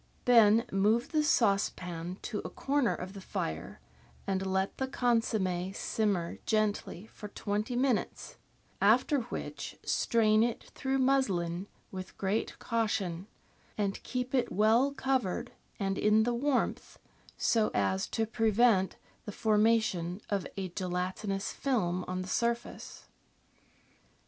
Then move the saucepan to a corner of the fire, and let the consomm^ simmer gently for twenty minutes, after which strain it through muslin with great caution, and keep it well covered and in the warmth, so as to prevent the formation of a gelatinous film on the surface.